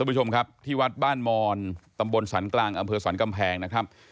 ผู้ชมครับที่วัดบ้านมอนตำบลสรรกลางอำเภอสรรกำแพงนะครับ